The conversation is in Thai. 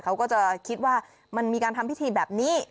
เขาก็จะคิดว่ามันมีการทำพิธีแบบนี้